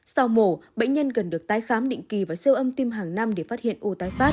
sau mổ bệnh nhân cần được tái khám định kỳ và siêu âm tiêm hàng năm để phát hiện ô tái phát